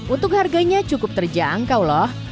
untuk harganya cukup terjangkau loh